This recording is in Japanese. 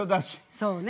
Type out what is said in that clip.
そうね。